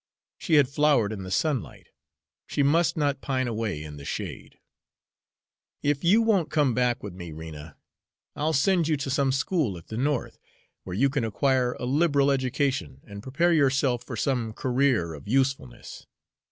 She had flowered in the sunlight; she must not pine away in the shade. "If you won't come back with me, Rena, I'll send you to some school at the North, where you can acquire a liberal education, and prepare yourself for some career of usefulness.